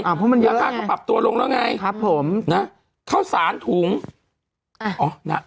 เพราะมันเยอะไงก็ปรับตัวลงแล้วไงครับผมนะข้าวสารถุงอ๋อน่ะ